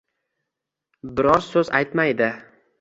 Biror so`z aytmaydi